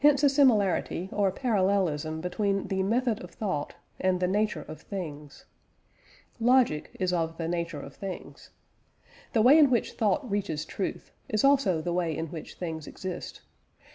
Hence a similarity or parallelism between the method of thought and the nature of things. Logic is of the nature of things. The way in which thought reaches truth is also the way in which things exist.